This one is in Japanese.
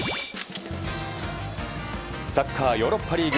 サッカーヨーロッパリーグ。